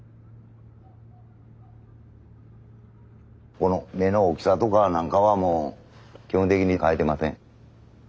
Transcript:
この目の大きさとか何かはもう基本的に変えてません。